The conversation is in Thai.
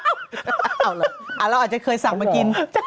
เราอาจจะเคยสั่งมากิน